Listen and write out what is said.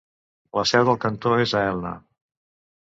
La seu del cantó és a Elna.